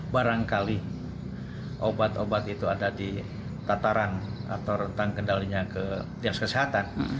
barangkali obat obat itu ada di tataran atau rentang kendalinya ke dinas kesehatan